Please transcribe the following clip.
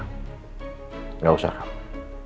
gak usah kamu